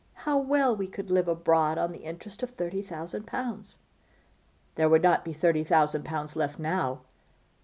How well we could live abroad on the interest of thirty thousand pounds?' 'There would not be thirty thousand pounds left now!